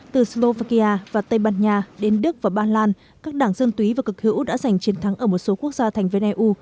từ slovakia và tây ban nha đến đức và ba lan các đảng dân túy và cực hữu đã giành chiến thắng ở một số quốc gia thành viên eu